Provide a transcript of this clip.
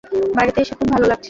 বাড়িতে এসে খুব ভালো লাগছে!